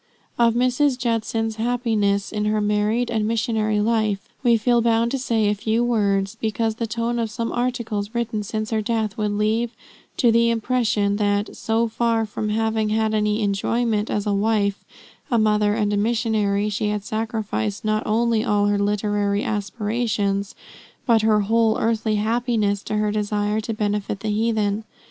Of Mrs. Judson's happiness in her married and missionary life, we feel bound to say a few words, because the tone of some articles, written since her death, would lead to the impression that, so far from having had any enjoyment as a wife, a mother, and a missionary, she had sacrificed not only all her literary aspirations, but her whole earthly happiness to her desire to benefit the heathen.